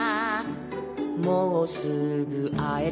「もうすぐあえる」